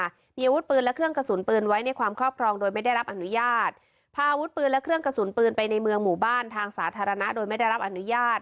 มีอาวุธปืนและเครื่องกระสุนปืนไว้ในความครอบครองโดยไม่ได้รับอนุญาตพาอาวุธปืนและเครื่องกระสุนปืนไปในเมืองหมู่บ้านทางสาธารณะโดยไม่ได้รับอนุญาต